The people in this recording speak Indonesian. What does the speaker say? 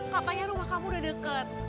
katanya rumah kamu sudah dekat